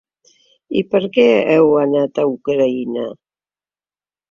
I per què heu anat a Ucraïna?